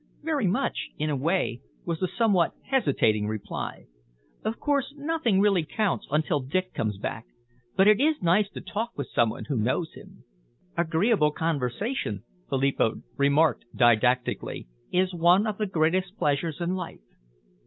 "Very much, in a way," was the somewhat hesitating reply. "Of course, nothing really counts until Dick comes back, but it is nice to talk with some one who knows him." "Agreeable conversation," Philippa remarked didactically, "is one of the greatest pleasures in life."